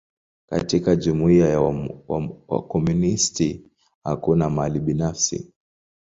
Katika jumuia ya wakomunisti, hakuna mali binafsi.